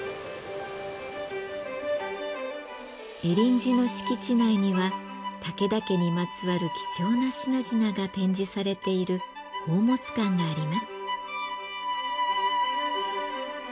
恵林寺の敷地内には武田家にまつわる貴重な品々が展示されている宝物館があります。